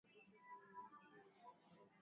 Pima chumvi ya wastani